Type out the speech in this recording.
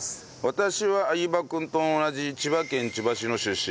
私は相葉くんと同じ千葉県千葉市の出身です。